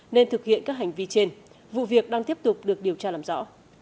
nên thực hiện các hành vi trên vụ việc đang tiếp tục được điều tra làm rõ